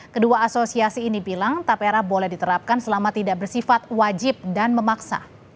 kedua asosiasi ini bilang tapera boleh diterapkan selama tidak bersifat wajib dan memaksa